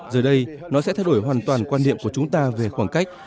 giờ đây nó sẽ thay đổi hoàn toàn quan niệm của chúng ta về khoảng cách